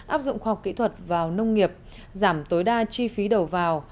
áp dụng khoa học kỹ thuật vào nông nghiệp giảm tối đa chi phí đầu vào